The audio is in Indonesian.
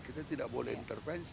kita tidak boleh intervensi